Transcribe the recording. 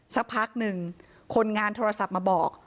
สักพักหนึ่งคนงานโทรศัพท์มาบอก